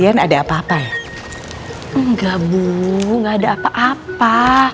aduh gak ada apa apa